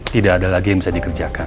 tidak ada lagi yang bisa dikerjakan